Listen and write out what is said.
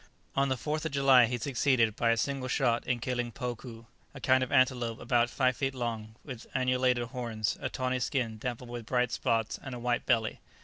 On the 4th of July he succeeded by a single shot in killing pokoo, a kind of antelope about five feet long, with annulated horns, a tawny skin dappled with bright spots, and a white belly.